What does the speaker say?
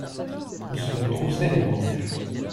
On se troussait les manches.